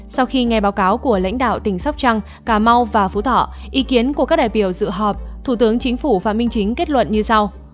sau khi nghe báo cáo của lãnh đạo tỉnh sóc trăng cà mau và phú thọ ý kiến của các đại biểu dự họp thủ tướng chính phủ phạm minh chính kết luận như sau